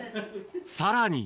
さらに。